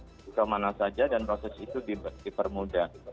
itu kemana saja dan proses itu dipermudah